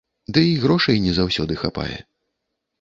Ды і грошай не заўсёды хапае.